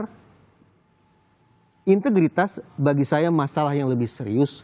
jadi integritas bagi saya masalah yang lebih serius